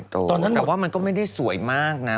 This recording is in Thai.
แต่ว่ามันก็ไม่ได้สวยมากนะ